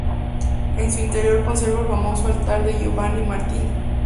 En su interior conserva el famoso altar de Giovanni Martini.